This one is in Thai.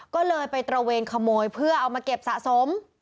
ก็เลยไปตระเวนขโมยเพื่อเอามาเก็บสะสม